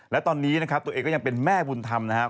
และตอนนี้นะครับตัวเองก็ยังเป็นแม่บุญธรรมนะครับ